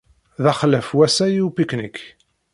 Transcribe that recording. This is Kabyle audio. D axlaf wassa i upiknik.